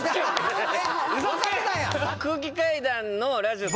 空気階段のラジオ